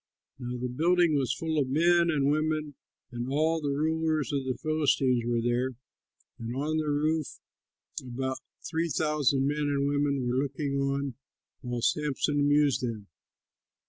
Now the building was full of men and women, and all the rulers of the Philistines were there, and on the roof about three thousand men and women were looking on while Samson amused them.